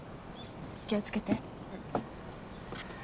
気を付けて。